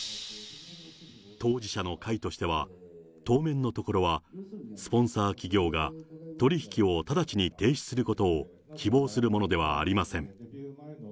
当事者の会としては、当面のところはスポンサー企業が取り引きを直ちに停止することを希望するものではありません。